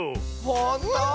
ほんとう